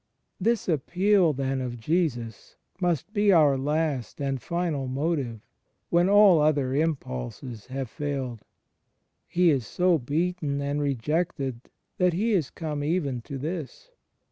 This appeal, then, of Jesus must be our last and final motive, when all other impulses have failed. He is so beaten and rejected that He is come even to this.